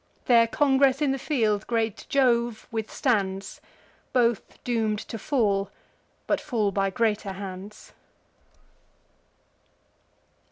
Their congress in the field great Jove withstands: Both doom'd to fall, but fall by greater hands.